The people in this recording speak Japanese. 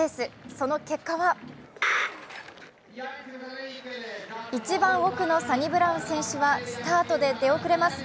その結果は一番奥のサニブラウン選手はスタートで出遅れます。